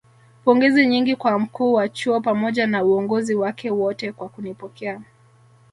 pongezi nyingi kwa mkuu wa chuo pamoja na uongozi wake wote kwa kunipokea